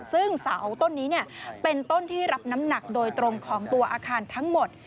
ซึ่งเสาต้นนี้เป็นต้นที่รับน้ำหนักโดยตรงของตัวอาคารทั้งหมด